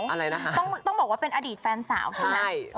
ต้องบอกเพลิงว่าเป็นอดีตแฟนสาวใช่ไหม